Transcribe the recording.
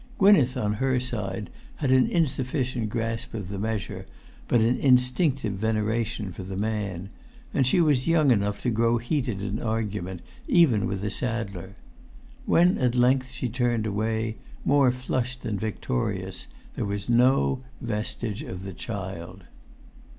Gwynneth,[Pg 260] on her side, had an insufficient grasp of the measure, but an instinctive veneration for the man; and she was young enough to grow heated in argument, even with the saddler. When at length she turned away, more flushed than victorious, there was no vestige of the child.